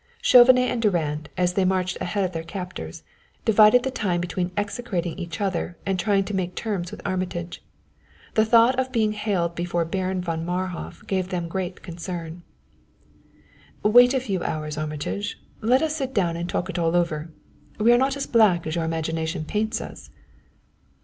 Chauvenet and Durand, as they marched ahead of their captors, divided the time between execrating each other and trying to make terms with Armitage. The thought of being haled before Baron von Marhof gave them great concern. "Wait a few hours, Armitage let us sit down and talk it all over. We're not as black as your imagination paints us!"